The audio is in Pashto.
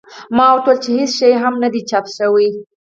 ما ورته وویل هېڅ شی هم نه دي چاپ شوي.